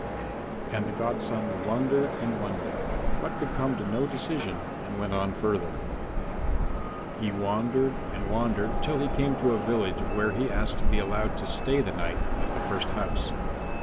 And the godson wondered and wondered, but could come to no decision and went on further. VIII He wandered and wandered till he came to a village where he asked to be allowed to stay the night at the first house.